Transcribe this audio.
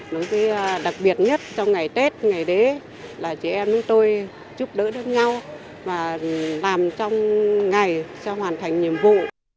đối với đặc biệt nhất trong ngày tết ngày đấy là chị em với tôi giúp đỡ đối nhau và làm trong ngày cho hoàn thành nhiệm vụ